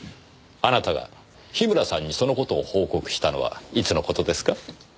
あなたが樋村さんにその事を報告したのはいつの事ですか？